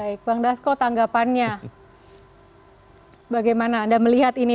baik bang dasko tanggapannya bagaimana anda melihat ini